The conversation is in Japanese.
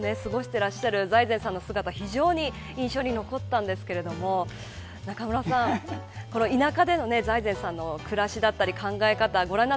てらっしゃる財前さんの姿が非常に印象に残ったんですけど中村さん、田舎での財前さんの暮らしや考え方